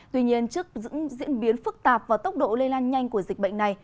tuy nhiên trước những diễn biến phức tạp và tốc độ lây lan nhanh của dịch bệnh này